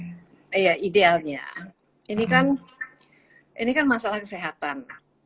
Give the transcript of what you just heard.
iya idealnya ini kan masalah kesehatan